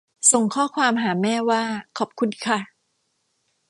ส่งข้อความหาแม่ว่าขอบคุณค่ะ